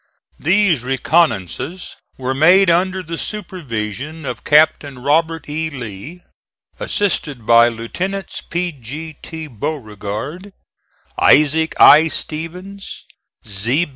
These reconnoissances were made under the supervision of Captain Robert E. Lee, assisted by Lieutenants P. G. T. Beauregard, Isaac I. Stevens, Z.